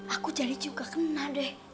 aku jadi juga kena deh